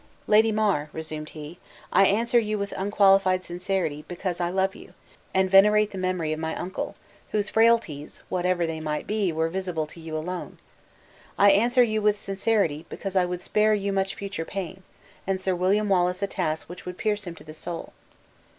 "Lady Mar," resumed he, "I answer you with unqualified sincerity, because I love you, and venerate the memory of my uncle, whose frailties, whatever they might be, were visible to you alone. I answer you with sincerity, because I would spare you much future pain, and Sir William Wallace a task that would pierce him to the soul.